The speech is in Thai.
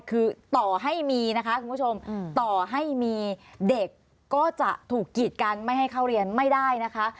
คือต่อให้มีนะคะคุณผู้ชมต่อให้มีเด็กก็จะถูกกีดกันไม่ให้เข้าเรียนไม่ได้นะคะ